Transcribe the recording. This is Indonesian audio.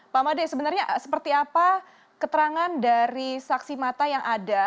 pak made sebenarnya seperti apa keterangan dari saksi mata yang ada